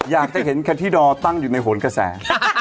อยากจะเห็นแคนที่ดอร์ตั้งอยู่ในโหนกระแส